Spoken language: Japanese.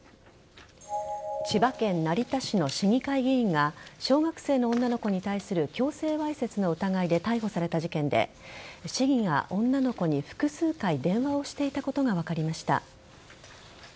千葉県成田市の市議会議員が小学生の女の子に対する強制わいせつの疑いで逮捕された事件で市議が女の子に複数回電話をしていたことが分かりました。